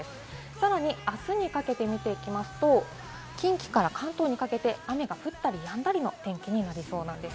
さらに、あすにかけて見ていきますと、近畿から関東にかけて雨が降ったり止んだりの天気になりそうです。